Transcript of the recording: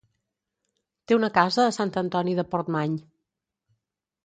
Té una casa a Sant Antoni de Portmany.